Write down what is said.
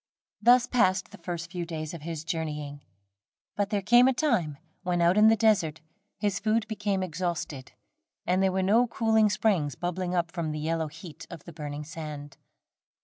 Thus passed the first few days of his journeying; but there came a time, when, out in the desert, his food became exhausted, and there were no cooling springs bubbling up from the yellow heat of the burning sand.